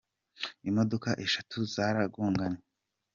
Imodoka eshatu zaragonganye